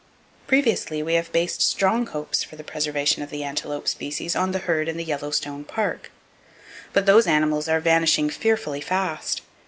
Previously, we have based strong hopes for the preservation of the antelope species on the herd in the Yellowstone Park, but those animals are vanishing fearfully fast.